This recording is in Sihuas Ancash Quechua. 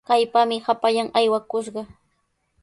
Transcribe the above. ¡Kaypami hapallan aywakushqa!